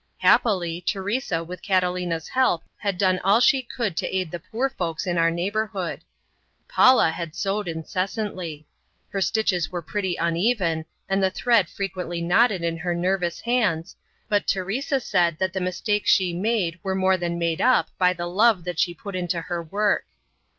Happily, Teresa with Catalina's help had done all she could to aid the poor folks in our neighborhood. Paula had sewed incessantly. Her stitches were pretty uneven and the thread frequently knotted in her nervous hands, but Teresa said that the mistakes she made were more than made up by the love that she put into her work.